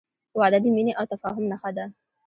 • واده د مینې او تفاهم نښه ده.